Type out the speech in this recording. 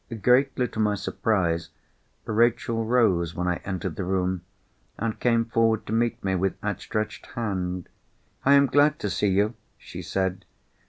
Greatly to my surprise, Rachel rose when I entered the room, and came forward to meet me with outstretched hand. "I am glad to see you," she said.